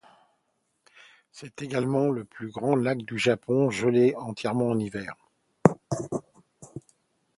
C'est également le plus grand lac du Japon à geler entièrement en hiver.